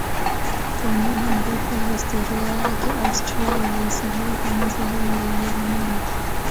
Kwa muda mrefu wa historia yake Austria ilihesabiwa kama sehemu ya Ujerumani.